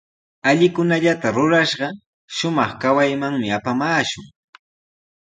Allikunallata rurashqa, shumaq kawaymanmi apamaashun.